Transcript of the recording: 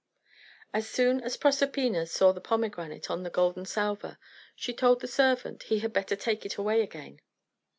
As soon as Proserpina saw the pomegranate on the golden salver, she told the servant he had better take it away again.